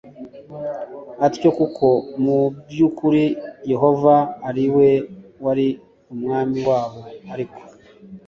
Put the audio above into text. atyo kuko mu by ukuri Yehova ari we wari umwami wabo Ariko